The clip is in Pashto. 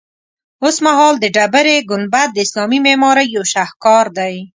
اوسمهال د ډبرې ګنبد د اسلامي معمارۍ یو شهکار دی.